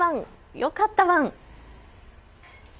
よかったワン！